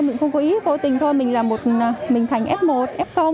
mình không có ý vô tình thôi mình là một mình thành f một f